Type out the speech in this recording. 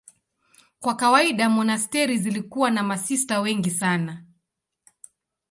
Kwa kawaida monasteri zilikuwa na masista wengi sana.